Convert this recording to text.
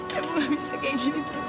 tapi nggak bisa kayak gini terus